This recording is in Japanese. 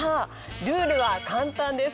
ルールは簡単です。